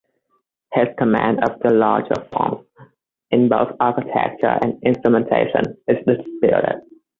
His command of the larger forms, in both architecture and instrumentation, is disputed.